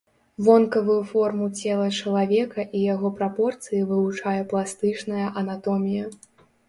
Вонкавую форму цела чалавека і яго прапорцыі вывучае пластычная анатомія.